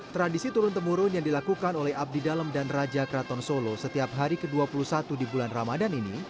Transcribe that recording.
tradisi turun temurun yang dilakukan oleh abdi dalam dan raja keraton solo setiap hari ke dua puluh satu di bulan ramadan ini